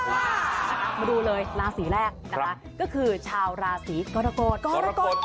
มาดูเลยราศีแรกก็คือชาวราศีกระระโกน